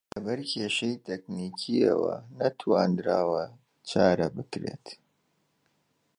لەبەر کێشەی تەکنیکییەوە نەتوانراوە چارە بکرێت